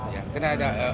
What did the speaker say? ya kena ada